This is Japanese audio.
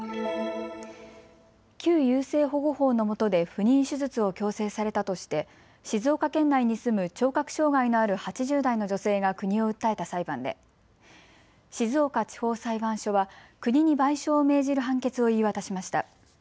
旧優生保護法のもとで不妊手術を強制されたとして静岡県内に住む聴覚障害のある８０代の女性が国を訴えた裁判で静岡地方裁判所は国に賠償を命じる判決を言い渡しました。